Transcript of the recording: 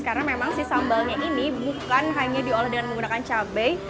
karena memang si sambalnya ini bukan hanya diolah dengan menggunakan cabai